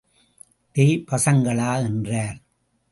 டேய் பசங்களா! என்றார்.